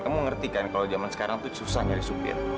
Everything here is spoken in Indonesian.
kamu ngerti kan kalau zaman sekarang tuh susah nyari supir